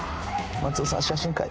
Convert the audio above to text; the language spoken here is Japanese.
松尾さん写真会。